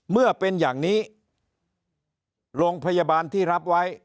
เมื่อเป็นอย่างนี้โรงพยาบาลที่รับไว้